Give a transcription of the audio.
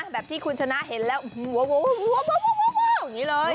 แบบที่คุณชนะเห็นแล้วว้าวอย่างนี้เลย